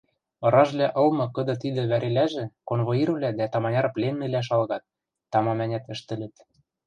Ыражвлӓ ылмы кыды-тидӹ вӓрелӓжӹ конвоирвлӓ дӓ таманяр пленныйвлӓ шалгат, тамам-ӓнят ӹштӹлӹт.